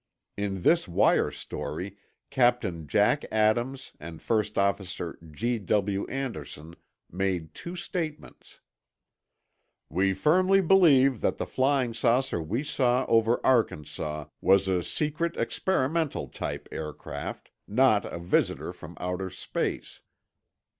In this wire story Captain Jack Adams and First Officer G. W. Anderson made two statements: "We firmly believe that the flying saucer we saw over Arkansas was a secret experimental type aircraft—not a visitor from outer space.